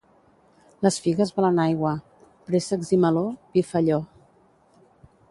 Les figues volen aigua; préssecs i meló, vi felló.